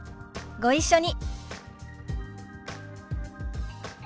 ご一緒に。